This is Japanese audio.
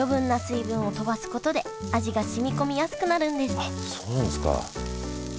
余分なあっそうなんですか。